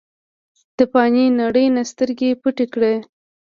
د فانې نړۍ نه سترګې پټې کړې ۔